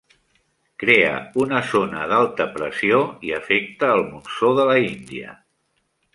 Crea una zona d'alta pressió i afecta al monsó de la Índia.